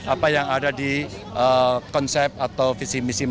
apa yang ada di konsep atau visi misi